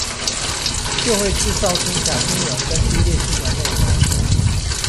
就會製造出假新聞跟低劣新聞內容